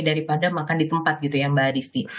daripada makan di tempat gitu ya mbak disney